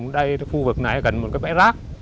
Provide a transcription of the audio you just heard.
đây khu vực này cần một cái bãi rác